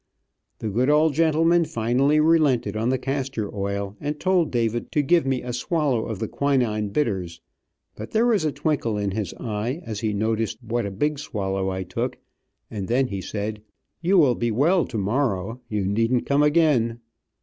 The good old gentleman finally relented on the castor oil, and told David to give me a swallow of the quinine bitters, but there was a twinkle in his eye, as he noticed what a big swallow I took, and then he said, "You will be well tomorrow; you needn't come again."